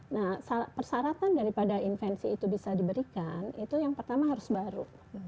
nah persyaratan daripada invensi itu bisa diberikan itu yang pertama harus baru